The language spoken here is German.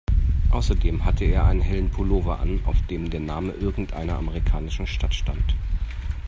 Außerdem hatte er einen hellen Pullover an, auf dem der Name irgendeiner amerikanischen Stadt stand.